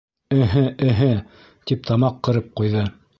Эһе, эһе, — тип тамаҡ ҡырып ҡуйҙы.